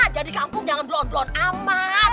jadi kampung jangan blon blon amat